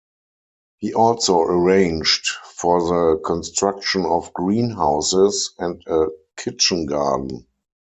He also arranged for the construction of greenhouses and a kitchen garden.